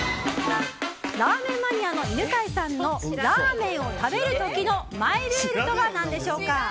ラーメンマニアの犬飼さんのラーメンを食べる時のマイルールとは何でしょうか。